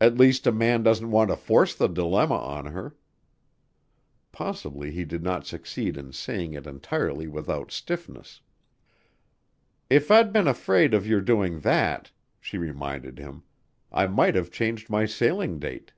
"At least a man doesn't want to force the dilemma on her." Possibly he did not succeed in saying it entirely without stiffness. "If I'd been afraid of your doing that," she reminded him, "I might have changed my sailing date."